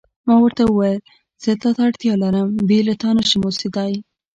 ما ورته وویل: زه تا ته اړتیا لرم، بې تا نه شم اوسېدای.